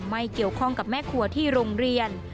ไม่เกี่ยวข้องกับแม่ครัวที่โรงเรียน